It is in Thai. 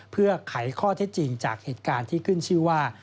เพื่อไขข้อเท็จจริงจากเหตุการณ์ที่ขึ้นชื่อว่า